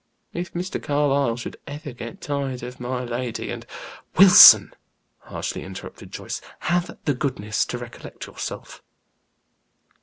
If Mr. Carlyle should ever get tired of my lady, and " "Wilson," harshly interrupted Joyce, "have the goodness to recollect yourself."